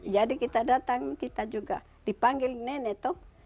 jadi kita datang kita juga dipanggil nenek tuh